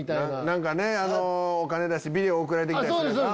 何かねお金出してビデオが送られて来たりする。